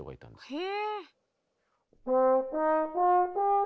へえ！